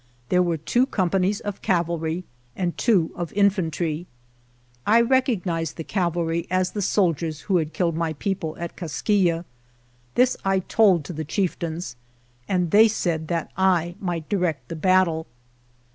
There were two companies of cavalry and two of infantry. I recognized the cavalry as the soldiers who had killed my 51 GERONIMO people at Kaskiyeh. This I told to the chieftains, and they said that I might direct the battle.